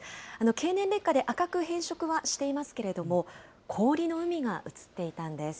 経年劣化で赤く変色はしていますけれども、氷の海が写っていたんです。